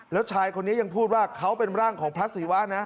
แล้วชายคนนี้ยังพูดว่าเขาเป็นร่างของพระศิวะนะ